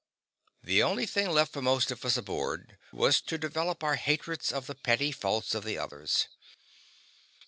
The only thing left for most of us aboard was to develop our hatreds of the petty faults of the others.